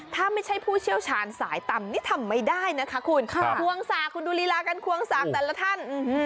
ถ้าไม่ใช่ผู้เชี่ยวชาญสายต่ำนี่ทำไม่ได้นะคะคุณควงสากคุณดูลีลาการควงสากแต่ละท่าน